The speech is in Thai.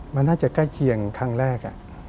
มันน่าจะใกล้เคียงครั้งแรก